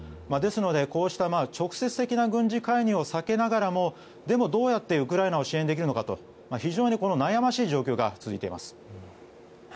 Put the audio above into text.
ですので、こうした直接的な軍事介入を避けながらもでもどうやってウクライナを支援できるのか非常に悩ましい状況が続いています。